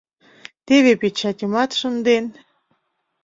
Теве печатьымат шынден!